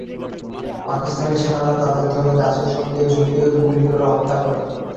পাকিস্তানি সেনারা তাঁদের ধরে গাছের সঙ্গে ঝুলিয়ে গুলি করে হত্যা করে।